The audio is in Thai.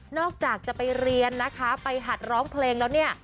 จากจะไปเรียนนะคะไปหัดร้องเพลงแล้วเนี่ย